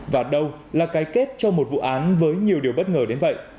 và đâu là cái kết cho một vụ án với nhiều điều bất ngờ đến vậy